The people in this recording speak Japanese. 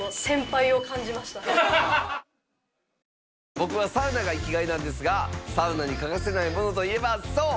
僕はサウナが生きがいなんですがサウナに欠かせないものといえばそう！